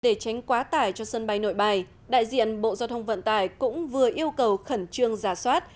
để tránh quá tải cho sân bay nội bài đại diện bộ giao thông vận tải cũng vừa yêu cầu khẩn trương giả soát